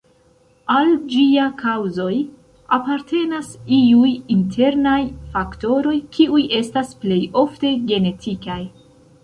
Al ĝia kaŭzoj apartenas iuj internaj faktoroj, kiuj estas plej ofte genetikaj.